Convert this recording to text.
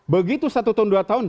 begitu satu tahun dua tahun